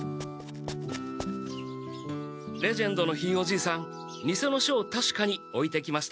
レジェンドのひいお爺さんにせの書をたしかにおいてきました。